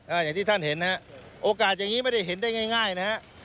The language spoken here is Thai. อย่างที่ท่านเห็นนะฮะโอกาสอย่างนี้ไม่ได้เห็นได้ง่ายง่ายนะฮะ